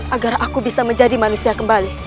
agar aku bisa menjadi manusia kembali